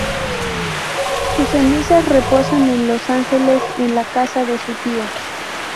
Sus cenizas reposan en Los Ángeles, en la casa de su tío.